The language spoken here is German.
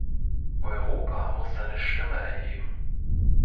Europa muss seine Stimme erheben.